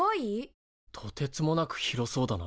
とてつもなく広そうだな。